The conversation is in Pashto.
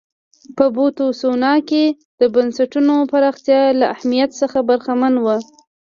په بوتسوانا کې د بنسټونو پراختیا له اهمیت څخه برخمن و.